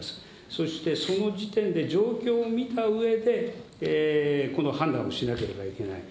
そして、その時点で、状況を見たうえで、この判断をしなければいけない。